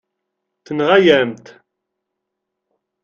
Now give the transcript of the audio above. Tenɣa-yam-t.